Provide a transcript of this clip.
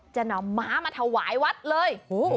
จะนำม้ามาถวายวัดเลย